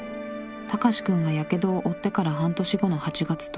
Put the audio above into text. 高志くんがやけどを負ってから半年後の８月１０日。